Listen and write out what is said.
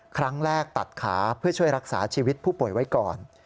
ครั้งแรกตัดขาเพื่อช่วยรักษาชีวิตผู้ป่วยไว้ก่อน